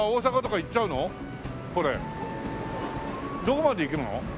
どこまで行くの？